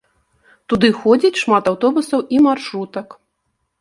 Туды ходзіць шмат аўтобусаў і маршрутак.